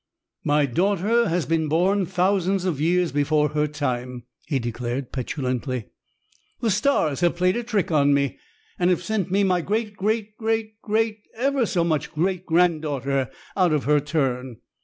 "My daughter has been born thousands of years before her time," he declared, petulantly. "The stars have played a trick on me, and have sent me my great great great great ever so much great granddaughter out of her turn."